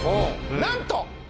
なんと。